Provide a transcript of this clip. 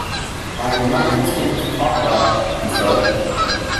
'I am not accustomed to talk rot,' he said.